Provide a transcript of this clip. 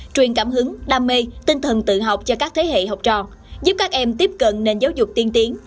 truyền cảm hứng đam mê tinh thần tự học cho các thế hệ học trò giúp các em tiếp cận nền giáo dục tiên tiến